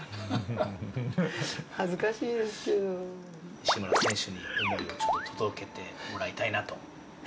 西村選手に思いを届けてもらいたいなと。